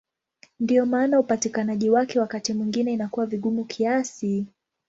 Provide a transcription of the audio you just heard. Ndiyo maana upatikanaji wake wakati mwingine inakuwa vigumu kiasi.